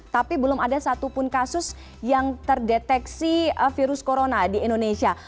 tapi belum ada satupun kasus yang terdeteksi virus corona di indonesia